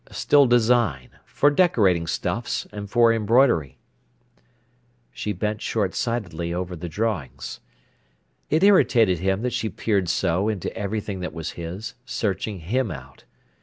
"Still design, for decorating stuffs, and for embroidery." She bent short sightedly over the drawings. It irritated him that she peered so into everything that was his, searching him out.